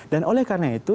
dan oleh karena itu